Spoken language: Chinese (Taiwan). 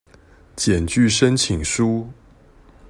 檢具申請書